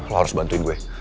lo harus bantuin gue